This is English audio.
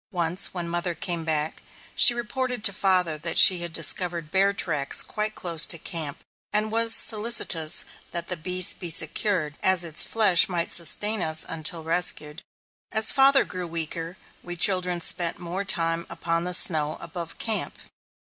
Once, when mother came back, she reported to father that she had discovered bear tracks quite close to camp, and was solicitous that the beast be secured, as its flesh might sustain us until rescued. As father grew weaker, we children spent more time upon the snow above camp.